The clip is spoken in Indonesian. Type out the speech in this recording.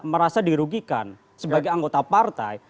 merasa dirugikan sebagai anggota partai